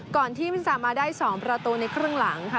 ก่อนที่วินซามาได้๒ประตูในครึ่งหลังค่ะ